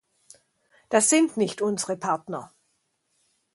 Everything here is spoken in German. Das sind nicht unsere Partner.